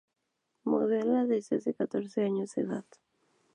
Modela desde los catorce años de edad.